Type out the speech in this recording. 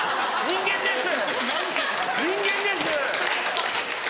人間です！